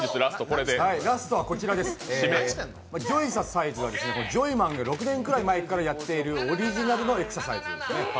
ラストはこちらです、ジョイササイズはジョイマンが６年くらい前からやっているオリジナルのエクササイズです。